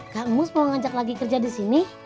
kak ngus mau ngajak lagi kerja di sini